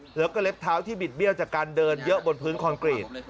แล้วก็เล็บเท้าที่บิดเบี้ยวจากการเดินเยอะบนพื้นคอนกรีต